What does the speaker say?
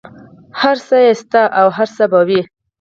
هر څه یې شته او هر څه به وي.